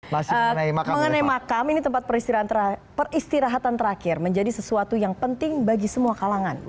mengenai makam ini tempat peristirahatan terakhir menjadi sesuatu yang penting bagi semua kalangan